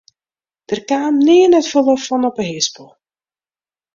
Dêr kaam nea net folle fan op de hispel.